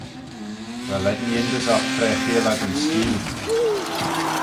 Va lane yindys oc tra cheayll ad yn skeeal.